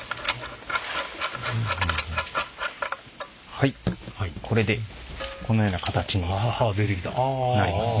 はいこれでこのような形になりますね。